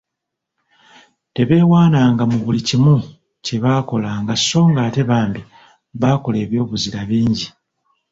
Tebeewaananga mu buli kimu kye baakolanga so ng'ate bambi baakola eby'obuzira bingi.